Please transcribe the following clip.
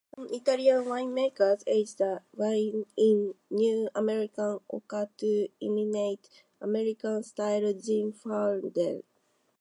Some Italian winemakers age the wines in new American oak to imitate American-style Zinfandel.